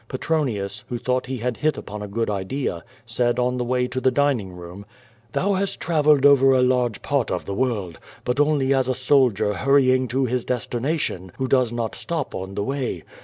Petronius, who thon^^ht he had hit upon a good idea, said on the way to the dining room: "Thou hast travelled over a large part of the world, but only as a soldier hurrying to his destination who does not stop on the way.